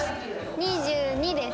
２２です。